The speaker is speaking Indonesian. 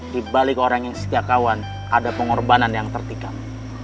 di balik orang yang setiakawan ada pengorbanan yang tertikam